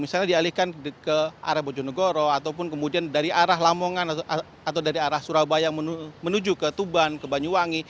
misalnya dialihkan ke arah bojonegoro ataupun kemudian dari arah lamongan atau dari arah surabaya menuju ke tuban ke banyuwangi